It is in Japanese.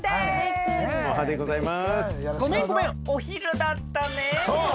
ごめんごめんお昼だったねぇ。